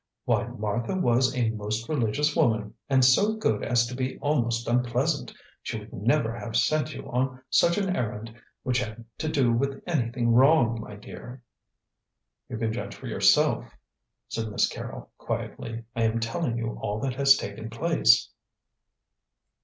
"Why, Martha was a most religious woman, and so good as to be almost unpleasant. She would never have sent you on an errand which had to do with anything wrong, my dear." "You can judge for yourself," said Miss Carrol, quietly. "I am telling you all that has taken place."